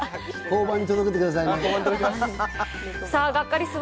交番に届けてくださいね。